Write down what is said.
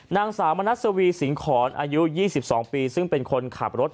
นางสาวมณัสวีสิงหอนอายุ๒๒ปีซึ่งเป็นคนขับรถ